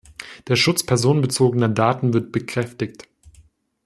Der Schutz personenbezogener Daten wird bekräftigt.